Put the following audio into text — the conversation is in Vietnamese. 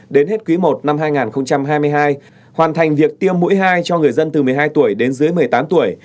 đến hết quý i năm hai nghìn hai mươi hai hoàn thành việc tiêm mũi hai cho người dân từ một mươi hai tuổi đến dưới một mươi tám tuổi